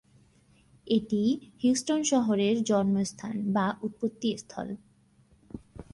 এটি হিউস্টন শহরের জন্মস্থান বা উৎপত্তি স্থল।